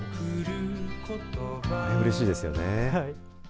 うれしいですよね。